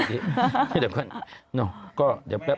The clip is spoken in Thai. เดี๋ยวก่อนน้องก็เดี๋ยวแป๊บ